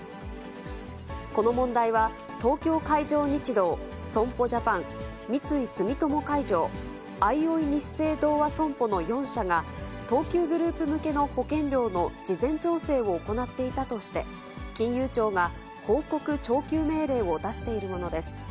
この問題は、東京海上日動、損保ジャパン、三井住友海上、あいおいニッセイ同和損保の４社が、東急グループ向けの保険料の事前調整を行っていたとして、金融庁が報告徴求命令を出しているものです。